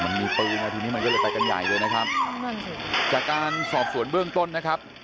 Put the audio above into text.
มันมีปืนไงทีนี้มันก็เลยไปกันใหญ่เลยนะครับจากการสอบสวนเบื้องต้นนะครับ